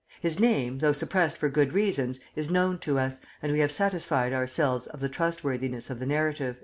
His name, though suppressed for good reasons, is known to us, and we have satisfied ourselves of the trustworthiness of the narrative."